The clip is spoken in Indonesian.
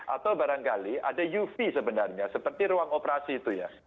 atau barangkali ada uv sebenarnya seperti ruang operasi itu ya